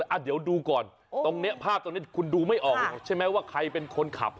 อ่ะเดี๋ยวดูก่อนตรงนี้ภาพตรงนี้คุณดูไม่ออกใช่ไหมว่าใครเป็นคนขับ